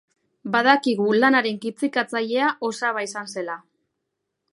Badakigu lanaren kitzikatzailea osaba izan zela.